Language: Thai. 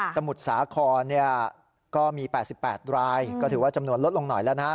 มุทรสาครก็มี๘๘รายก็ถือว่าจำนวนลดลงหน่อยแล้วนะฮะ